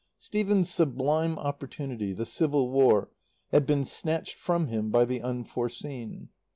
Stephen's sublime opportunity, the civil war, had been snatched from him by the unforeseen.